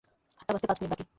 আটটা বাজতে পাঁচ মিনিট বাকি।